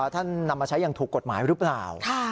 นำมาใช้อย่างถูกกฎหมายหรือเปล่า